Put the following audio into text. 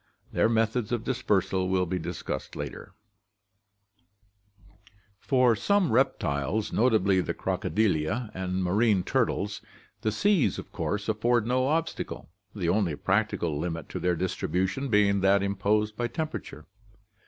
Their methods of dispersal will be discussed later (page 60). For some reptiles, notably the Crocodilia and marine turtles, the seas of course afford no obstacle, the only practical limit to their distribution being that imposed by temperature.